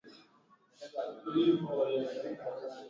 kikwete aliteuliwa kuwa mbunge wa msoga